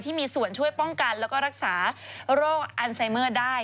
ที่มีส่วนช่วยป้องกันแล้วก็รักษาโรคอันไซเมอร์ได้